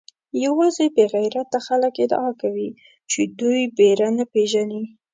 یوازې بې غیرته خلک ادعا کوي چې دوی بېره نه پېژني.